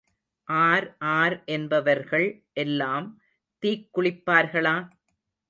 R ஆர் என்பவர்கள் எல்லாம் தீக் குளிப்பார்களா?